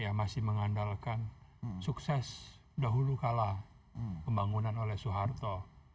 yang masih mengandalkan sukses dahulu kalah pembangunan oleh soeharto